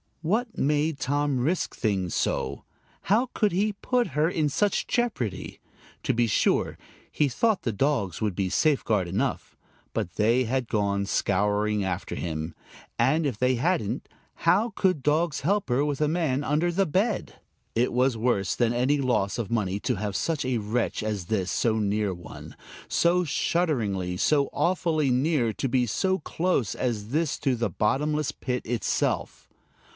What made Tom risk things so! How could he put her in such jeopardy? To be sure, he thought the dogs would be safeguard enough, but they had gone scouring after him. And if they hadn't, how could dogs help her with a man under the bed? It was worse than any loss of money to have such a wretch as this so near one, so shudderingly, so awfully near, to be so close as this to the bottomless pit itself!